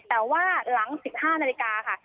แต่ว่าหลัง๑๕นาฬิกาค่ะ